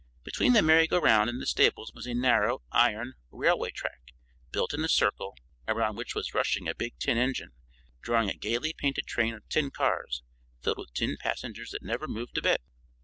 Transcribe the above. Between the merry go round and the stables was a narrow, iron railway track, built in a circle, around which was rushing a big tin engine, drawing a gaily painted train of tin cars, filled with tin passengers that never moved a bit.